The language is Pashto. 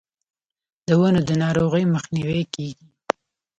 د ونو د ناروغیو مخنیوی کیږي.